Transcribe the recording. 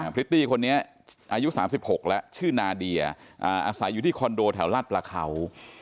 พริตตี้คนนี้อายุ๓๖แล้วชื่อนาเดียอาศัยอยู่ที่คอนโดแถวลาดประเขา